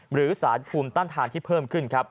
หรือสารภูมิต้านทานที่เพิ่มขึ้นครับ